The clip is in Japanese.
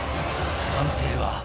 判定は